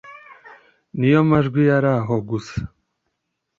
niyo majwi yaraho gusa